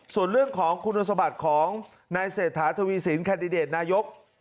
ส่วนเรื่องของคุณสมบัติของนายเศรษฐาทวีสินแคนดิเดตนายก